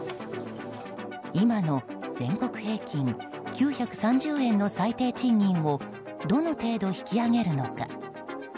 今の全国平均９３０円の最低賃金をどの程度引き上げるのか。